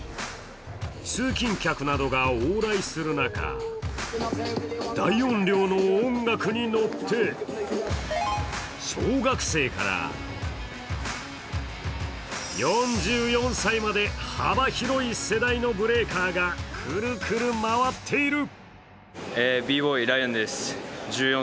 通勤客などが往来する中、大音量の音楽に乗って小学生から、４４歳まで、幅広い世代のブレイカーがクルクル回っている。